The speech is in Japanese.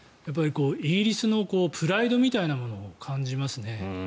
イギリスのプライドみたいなものを感じますね。